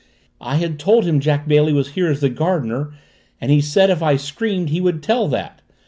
I had told him Jack Bailey was here as the gardener and he said if I screamed he would tell that.